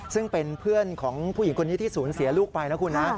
ซึ่งเป็นเพื่อนของผู้หญิงคนนี้ที่สูญเสียลูกไปนะคุณนะ